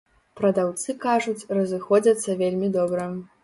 Прадаўцы кажуць, разыходзяцца вельмі добра.